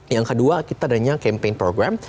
yang kedua kita adanya campaign program